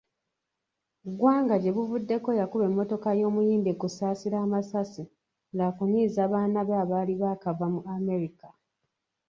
Gwanga gye buvuddeko yakuba emmotoka y'omuyimbi Kusaasira amasasi lwa kunyiiza baana be abaali baakava mu America.